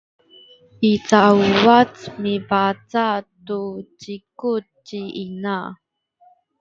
i sauwac mibaca’ tu zikuc ci ina